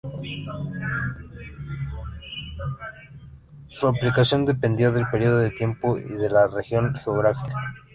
Su aplicación dependió del periodo de tiempo, y de la región geográfica.